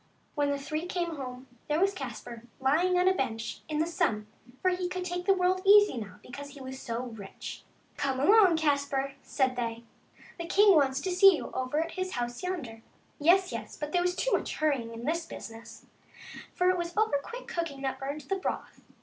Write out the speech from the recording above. When the three came home, there was Caspar lying on a bench in the sun, for he could take the world easy now, because he was so rich. " Come along, Caspar," said they, " the king wants to see you over at his house yonder." Yes, yes, but there was too much hurrying in this business, for it was over quick cooking that burned the broth.